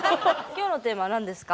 今日のテーマは何ですか？